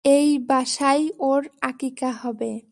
এই বাসায় ওর আকিকা হবে।